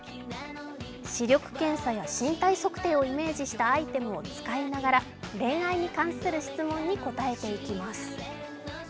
視力検査や身体測定をイメージしたアイテムを使いながら恋愛に関する質問に答えていきます。